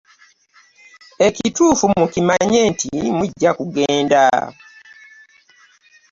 Ekituufu mukimanye nti mujja kugenda.